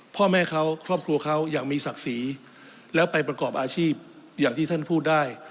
พ่อแม่เขาครอบครัวเขาอย่างมีศักดิ์ศรีแล้วไปประกอบอาชีพอย่างที่ท่านพูดได้